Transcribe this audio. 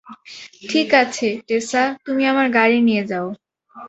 ঠিক আছে, টেসা, তুমি আমার গাড়ি নিয়ে যাও।